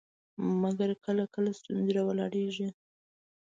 مګر کله کله ستونزې راولاړوي.